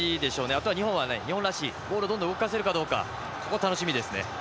あとは日本らしいボールをどんどん動かせるかどうかが楽しみですね。